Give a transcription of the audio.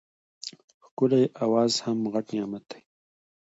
ښکلی اواز هم غټ نعمت دی.